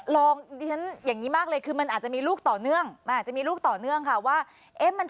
รองค์อย่างนี้มากเลยคือมันอาจจะมีลูกต่อเนื่องมาจะมีลูกต่อเนื่อว่าเอ๊ะมัน